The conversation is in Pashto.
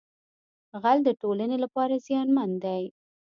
غل د ټولنې لپاره زیانمن دی